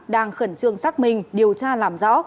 đang khẩn trương xác minh điều tra làm rõ